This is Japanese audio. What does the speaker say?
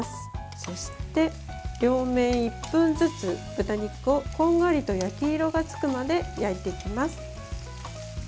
そして両面１分ずつ、豚肉をこんがりと焼き色がつくまで焼いていきます。